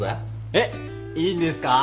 えっいいんですか？